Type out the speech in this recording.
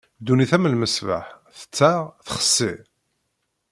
Ddunit am lmesbeḥ, tettaɣ, txessi.